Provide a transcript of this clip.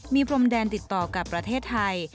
มีพรมแดนติดต่อกับประเทศไทย